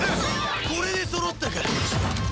これでそろったか。